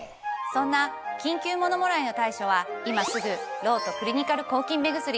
そんな緊急ものもらいの対処は今すぐロートクリニカル抗菌目薬。